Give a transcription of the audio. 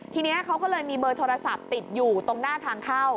ทีนี้เขาก็เลยมีเบอร์โทรศัพท์ติดอยู่ตรงหน้าทางเข้า